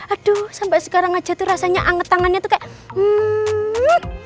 aduh sampai sekarang aja tuh rasanya anget tangannya tuh kayak hmm